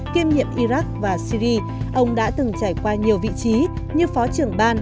kiêm nhiệm iraq và syri ông đã từng trải qua nhiều vị trí như phó trưởng ban